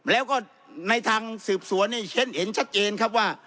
แล้วก็ในทางสืบสวนเนี่ยฉันเห็นชัดเจนครับว่า